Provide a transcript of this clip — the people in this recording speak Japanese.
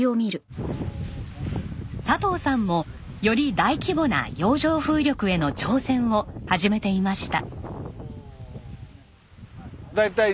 佐藤さんもより大規模な洋上風力への挑戦を始めていました。